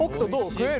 食える？